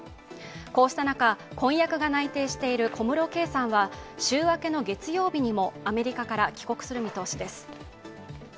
こうした中、婚約が内定している小室圭さんは週明けの月曜日にもアメリカから帰国する見通しです。